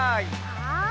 はい。